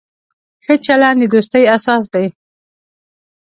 ښه چلند د دوستۍ اساس دی.